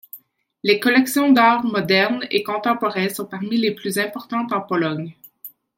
Les collections d'art moderne et contemporain sont parmi les plus importantes en Pologne.